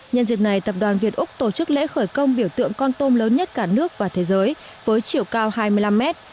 nhân dịp này tập đoàn việt úc tổ chức lễ khởi công biểu tượng con tôm lớn nhất cả nước và thế giới với chiều cao hai mươi năm mét